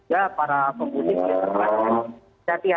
ya para pemudik bisa perhatikan